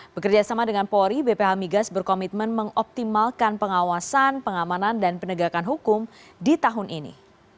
bekerjasama dengan polri bph migas berkomitmen mengoptimalkan pengawasan pengamanan dan penegakan hukum di tahun ini